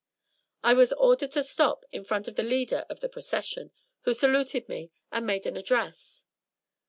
I was ordered to stop in front of the leader of the Procession, who saluted me, and made an address.